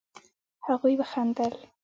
هغوئ وخندل.